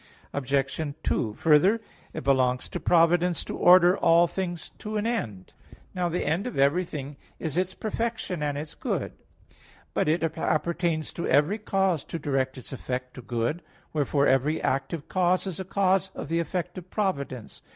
Obj. 2: Further, it belongs to providence to order all things to an end. Now the end of everything is its perfection and its good. But it appertains to every cause to direct its effect to good; wherefore every active cause is a cause of the effect of providence.